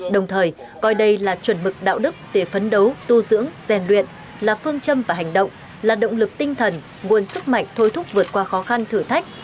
đồng thời coi đây là chuẩn mực đạo đức để phấn đấu tu dưỡng rèn luyện là phương châm và hành động là động lực tinh thần nguồn sức mạnh thôi thúc vượt qua khó khăn thử thách